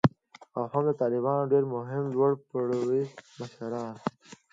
او هم د طالبانو ډیر مهم لوړ پوړي مشران